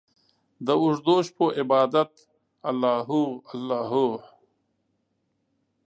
داوږدوشپو عبادته الله هو، الله هو